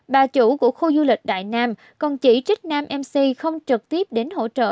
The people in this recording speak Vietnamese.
bà chủ của khu du lịch đại nam còn chỉ trích nam mc không trực tiếp đến hỗ trợ